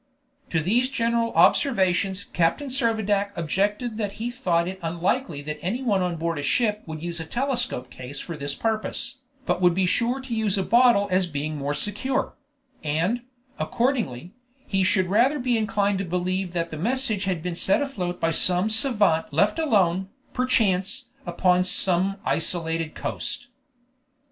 To these general observations Captain Servadac objected that he thought it unlikely that any one on board a ship would use a telescope case for this purpose, but would be sure to use a bottle as being more secure; and, accordingly, he should rather be inclined to believe that the message had been set afloat by some savant left alone, perchance, upon some isolated coast.